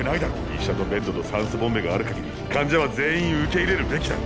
医者とベッドと酸素ボンベがある限り患者は全員受け入れるべきだ。